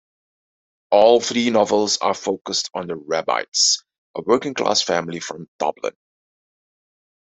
All three novels are focused on the Rabbittes, a working-class family from Dublin.